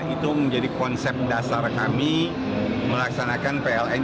itu menjadi konsep dasar kami melaksanakan pln